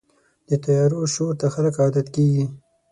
د طیارو شور ته خلک عادت کېږي.